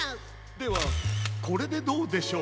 ではこれでどうでしょう？